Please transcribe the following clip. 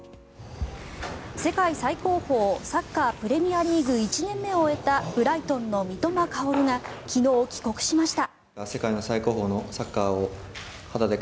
世界最高峰サッカープレミアリーグ１年目を終えたブライトンの三笘薫が昨日、帰国しました。